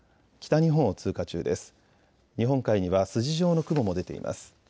日本海には筋状の雲も出ています。